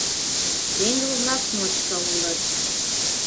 Теҥгыл-влак ночко улыт.